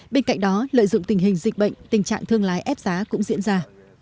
bên cạnh đó lợi dụng tình hình dịch bệnh tình trạng thương lái ép giá cũng diễn ra